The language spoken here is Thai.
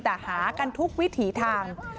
แต่หากันทุกวิถีทาง